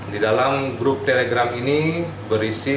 di dalam grup telegram ini berisi